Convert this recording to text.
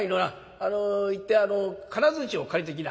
あの行って金づちを借りてきな」。